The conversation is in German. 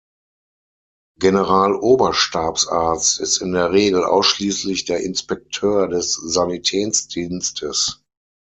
Generaloberstabsarzt ist in der Regel ausschließlich der Inspekteur des Sanitätsdienstes.